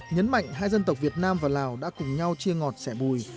nhấn mạnh hai dân tộc việt nam và lào đã cùng nhau chia ngọt sẻ bùi